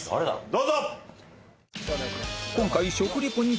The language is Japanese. どうぞ！